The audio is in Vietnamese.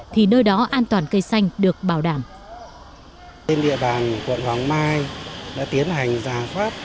thì nơi đó an toàn cây xanh được đánh giá